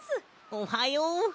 おはよう。